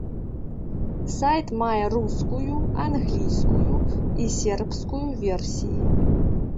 Сайт мае рускую, англійскую і сербскую версіі.